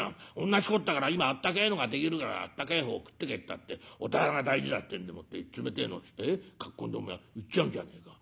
同じことだから今あったけえのができるからあったけえ方食ってけったって御店が大事だってんでもって冷てえのっつってかっ込んでお前行っちゃうんじゃねえか。